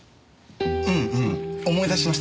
んうん思い出しました。